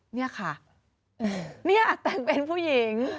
นี่ค่ะเนี่ยแต่งเป็นผู้หญิง